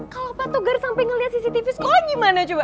kalau patogar sampai ngelihat cctv sekolah gimana coba